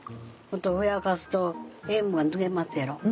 ふやかすと塩分が抜けますやろ。